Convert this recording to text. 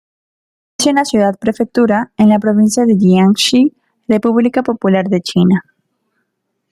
Es una ciudad-prefectura en la provincia de Jiangxi, República Popular de China.